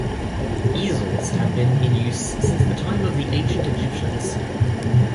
Easels have been in use since the time of the ancient Egyptians.